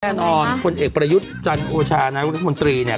แทนออนคนเอกประยุทธ์จันทร์โอชาณาสมนตรีเนี่ย